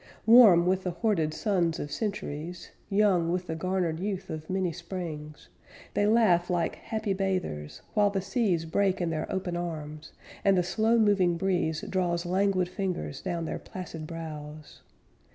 Warm with the hoarded suns of centuries, Young with the garnered youth of many Springs, They laugh like happy bathers, while the seas Break in their open arms, And the slow moving breeze Draws languid fingers down their placid brows.